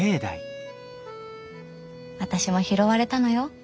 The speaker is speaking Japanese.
私も拾われたのよ